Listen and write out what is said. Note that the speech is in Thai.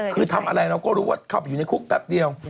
คือทำอะไรเราก็รู้ว่าเข้าไปอยู่ในคุกแป๊บเดียว